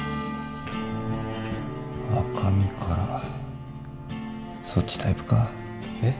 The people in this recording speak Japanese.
赤身からそっちタイプかえっ？